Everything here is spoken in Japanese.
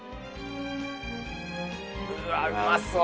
うわうまそう！